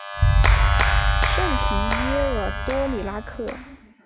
圣皮耶尔多里拉克。